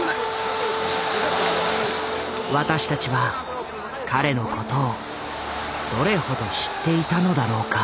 私たちは彼のことをどれほど知っていたのだろうか。